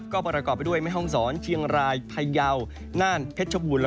ก็ปรากรอกดไปด้วยแม่ห้องซ้อนเจียงรายไข่เยานานเผชบุล